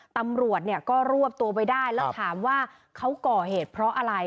ตำรวจเนี่ยก็รวบตัวไว้ได้แล้วถามว่าเขาก่อเหตุเพราะอะไร